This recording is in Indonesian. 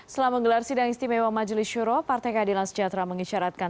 setelah menggelar sidang istimewa majelis syuro partai keadilan sejahtera mengisyaratkan